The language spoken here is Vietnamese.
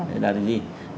để đạt được cái gì